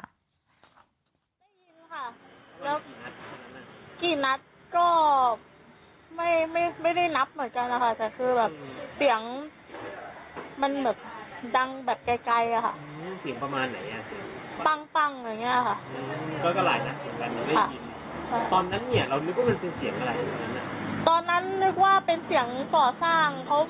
อย่างนี้ทุกวันอยู่แล้วแต่ก็ไม่คิดว่าจะเป็นเสียงยิงกัน